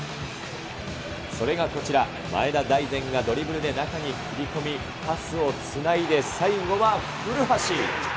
それがこちら、前田大然がドリブルで中に切り込み、パスをつないで、最後は古橋。